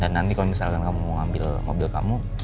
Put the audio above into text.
dan nanti kalau misalkan kamu mau ambil mobil kamu